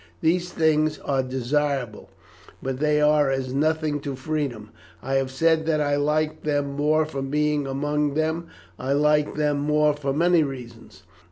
These things are desirable, but they are as nothing to freedom. I have said that I like them more for being among them. I like them more for many reasons.